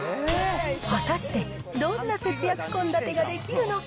果たして、どんな節約献立ができるのか。